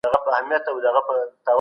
د توازن اساسي شرط باید رامنځته سي.